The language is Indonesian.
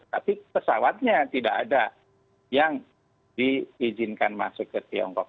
tapi pesawatnya tidak ada yang diizinkan masuk ke tiongkok